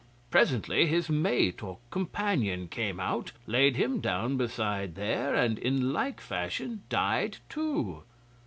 Presently his mate or companion came out, laid him down beside there, and in like fashion died too.